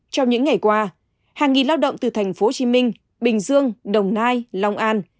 trong những ngày qua hàng nghìn lao động từ thành phố hồ chí minh bình dương đồng nai long an